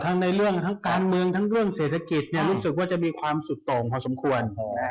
ในเรื่องการเมืองและในเรื่องเศรษฐกิจรู้สึกว่ามีความสุตงความสมควร